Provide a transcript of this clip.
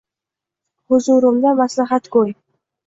Huzurimda maslahatgo’y